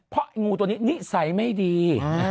เพราะงูตัวนี้นิสัยไม่ดี